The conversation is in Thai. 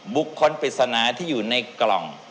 ปริศนาที่อยู่ในกล่อง